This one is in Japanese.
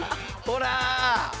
ほら！